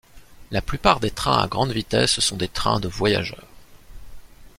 La plupart des trains à grande vitesse sont des trains de voyageurs.